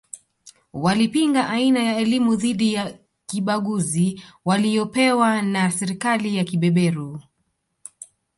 Walipinga aina ya elimu dhidi ya kibaguzi waliyopewa na serikali ya kibeberu